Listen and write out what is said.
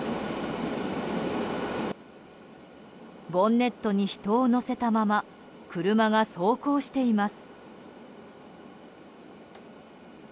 ボンネットに人を乗せたまま車が走行しています。